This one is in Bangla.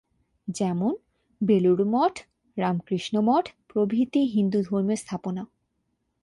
যেমন: বেলুড় মঠ, রামকৃষ্ণ মঠ প্রভৃতি হিন্দু ধর্মীয় স্থাপনা।